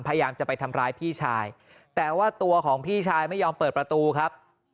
พยายามจะไปทำร้ายพี่ชายแต่ว่าตัวของพี่ชายไม่ยอมเปิดประตูครับ